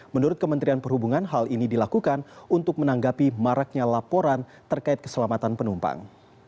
menurut kementerian perhubungan hal ini dilakukan untuk menanggapi maraknya laporan terkait keselamatan penumpang